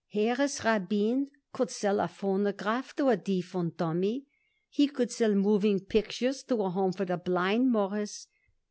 "Harris Rabin could sell a phonograft to a deef and dummy. He could sell moving pictures to a home for the blind, Mawruss.